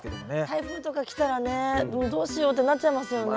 台風とか来たらねどうしようってなっちゃいますよね。